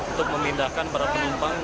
untuk memindahkan para penumpang